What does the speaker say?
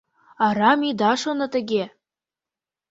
Арам ида шоно тыге: